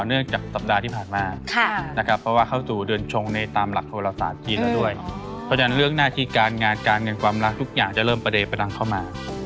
เอานะมันก็แค่นี้เองเอานะเดี๋ยวมันก็ผ่านไป